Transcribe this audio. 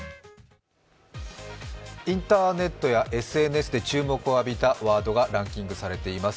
インターネットやＳＮＳで注目を浴びたワードがランキングされています。